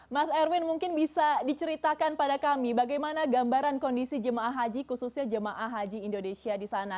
mas erwin mungkin bisa diceritakan pada kami bagaimana gambaran kondisi jemaah haji khususnya jemaah haji indonesia di sana